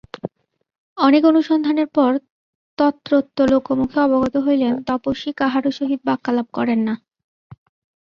অনেক অনুসন্ধানের পর তত্রত্য লোকমুখে অবগত হইলেন তপস্বী কাহারও সহিত বাক্যালাপ করেন না।